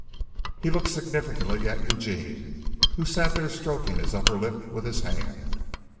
He looked significantly at Eugene, who sat there stroking his upper lip with his hand.